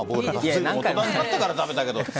大人になってから食べたけど。